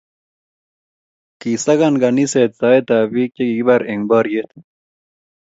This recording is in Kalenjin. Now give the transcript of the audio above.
kisakan kaniset saetab biik che kikibar eng' boriet.